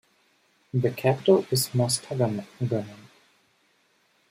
The capital is Mostaganem.